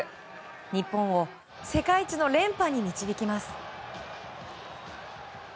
日本を世界一の連覇に導きます。